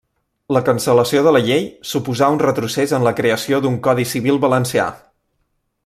La cancel·lació de la llei suposà un retrocés en la creació d'un codi civil valencià.